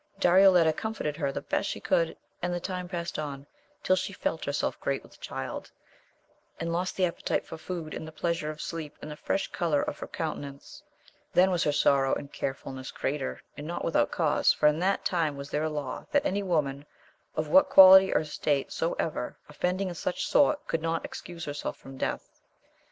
Darioleta comforted her the best she could, and the time past on, till she felt herself great with child, and lost the appetite for food and the plea sure of sleep, and the fresh colour of her countenance. Then was her sorrow and carefulness greater, and not without cause, for in that time was there a law, that any woman, of what quahty or estate soever, offending in such sort, could not excuse herself from death.